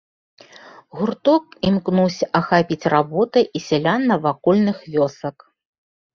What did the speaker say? Гурток імкнуўся ахапіць работай і сялян навакольных вёсак.